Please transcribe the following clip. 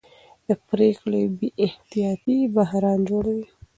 د پرېکړو بې احتیاطي بحران جوړوي